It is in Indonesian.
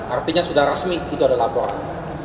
artinya sudah resmi itu ada laporan